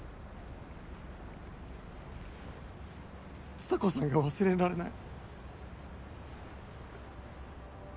蔦子さんが忘れられない。